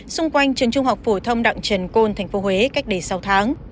xung quanh trường trung học phổ thông đặng trần côn thành phố huế cách đây sáu tháng